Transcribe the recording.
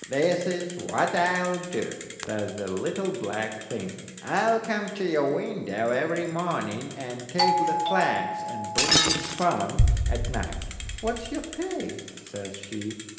"This is what I'll do," says the little black thing: "I'll come to your window every morning and take the flax and bring it spun at night." "What's your pay?" says she.